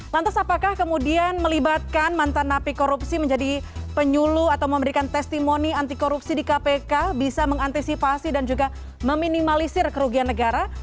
lantas apakah kemudian melibatkan mantan napi korupsi menjadi penyulu atau memberikan testimoni anti korupsi di kpk bisa mengantisipasi dan juga meminimalisir kerugian negara